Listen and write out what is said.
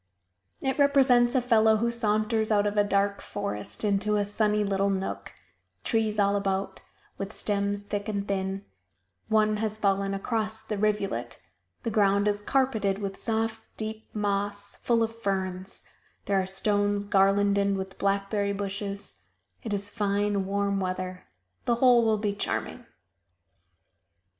It represents a fellow who saunters out of a dark forest into a sunny little nook; trees all about, with stems thick and thin; one has fallen across the rivulet; the ground is carpeted with soft, deep moss, full of ferns; there are stones garlanded with blackberry bushes; it is fine warm weather; the whole will be charming.